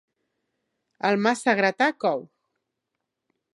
El massa gratar, cou.